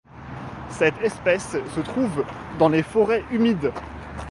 Cette espèce se trouve dans les forêts humides.